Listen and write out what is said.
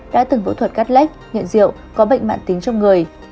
đã từng phẫu thuật cắt lách nhận rượu có bệnh mạng tính trong người